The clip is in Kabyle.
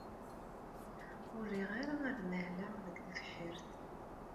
Ur riɣ ara ad mahleɣ deg tebḥirt.